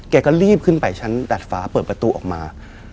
แกก็รีบขึ้นไปชั้นดัดฟ้าเปิดประตูออกมา